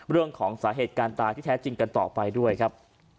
เรื่องของสาเหตุการณ์ตายที่แท้จริงกันต่อไปด้วยครับ